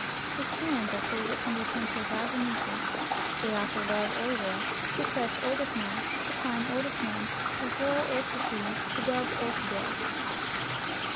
His hands are tools that can be turned to a thousand uses. They are for love or war, to caress or to smite, to climb or to swim, to hurl or to seize, to delve or to build.